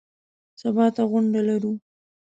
سبا ته غونډه لرو .